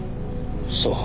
そう。